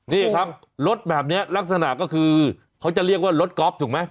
นี่ครับรถแบบนี้ลักษณะก็คือเขาจะเรียกว่ารถก๊อฟถูกไหม